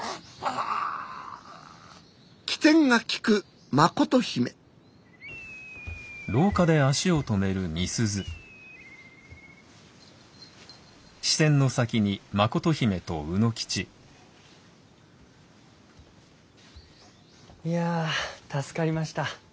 機転が利く真琴姫いやあ助かりました。